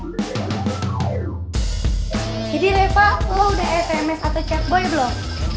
jadi reva lo udah sms atau chat boy belum